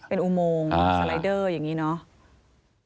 เป็นอุโมงสไลเดอร์อย่างนี้เนาะ